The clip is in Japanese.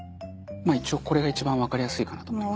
一応これが一番分かりやすいかなと思いまして。